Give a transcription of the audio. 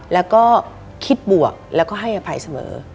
แล้วก็คิดบวกแล้วก็ให้อภัยเสมอ